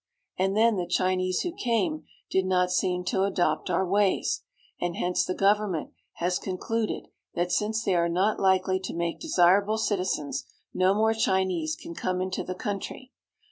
And then, the Chinese who came did not seem to adopt our ways ; and hence the government has con cluded that, since they are not likely to make desirable citizens, no more Chinese can come into the country.